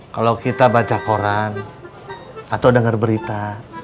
kalo kita baca koran atau denger berita